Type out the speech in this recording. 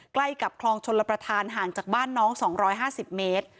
ใกล้กับคลองชนระประทานห่างจากบ้านน้องสองร้อยห้าสิบเมตร